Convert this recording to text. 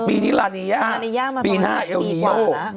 ปีนี้ลานิยาปีหน้าเอลนิโย